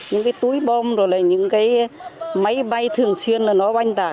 những cái túi bom rồi là những cái máy bay thường xuyên là nó oanh tạc